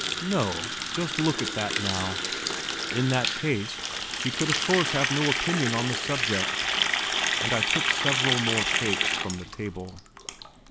No? Just look at that now! In that case, she could of course have no opinion on the subject; ... and I took several more cakes from the table.